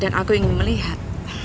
dan aku ingin melihat